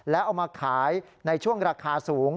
แล้วเอามาขายในช่วงราคาสูง